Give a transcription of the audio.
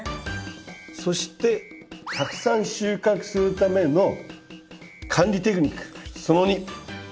そしてたくさん収穫するための管理テクニックその２。